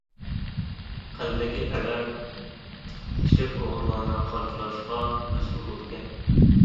قەبىلىدىكى ئەرلەر كىچىك ئوغۇل بالىنى قامچىلاشقا مەسئۇل بولىدىكەن.